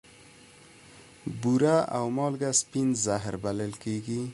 بوره او مالګه سپین زهر بلل کیږي.